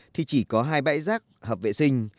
thì chỉ có hai bãi rác hợp vệ sinh